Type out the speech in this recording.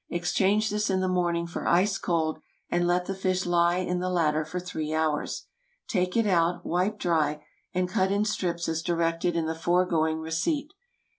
Exchange this in the morning for ice cold, and let the fish lie in the latter for three hours. Take it out, wipe dry, and cut in strips as directed in the foregoing receipt.